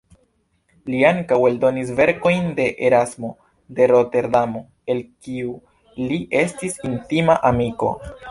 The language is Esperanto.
Li ankaŭ eldonis verkojn de Erasmo de Roterdamo, el kiu li estis intima amiko.